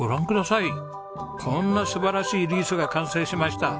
こんな素晴らしいリースが完成しました。